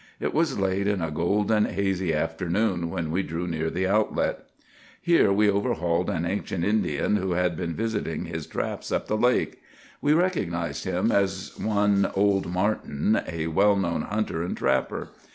It was late in a golden, hazy afternoon when we drew near the outlet. Here we overhauled an ancient Indian who had been visiting his traps up the lake. We recognized him as one "Old Martin," a well known hunter and trapper.